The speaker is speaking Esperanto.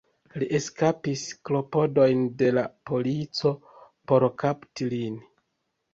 Li eskapis klopodojn de la polico por kapti lin.